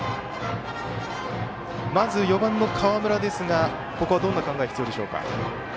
まず４番の河村ですがここはどんな考えが必要でしょうか。